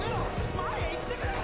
前へ行ってくれ！